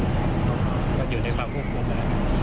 เลยอยู่ในความควบคุมกับมัน